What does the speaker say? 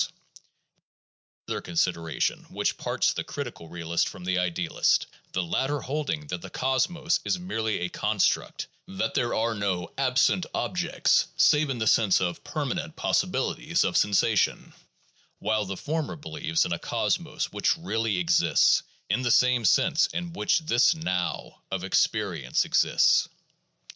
It is a further consideration which parts the critical realist from the idealist, the latter holding that the cosmos is merely a construct, that there are no "absent objects" save in the sense of "permanent possibilities of sensation," while the former believes in a cosmos which really exists, in the same sense in which this "now" of experience exists.